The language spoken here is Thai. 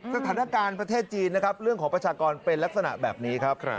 สถานการณ์ประเทศจีนนะครับเรื่องของประชากรเป็นลักษณะแบบนี้ครับ